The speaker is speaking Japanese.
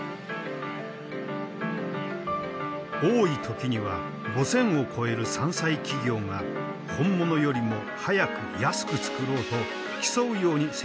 多い時には５，０００を超える山寨企業が本物よりも早く安く作ろうと競うように製品を開発した。